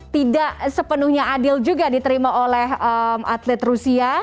tidak sepenuhnya adil juga diterima oleh atlet rusia